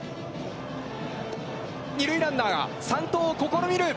二塁ランナーが三盗を試みる！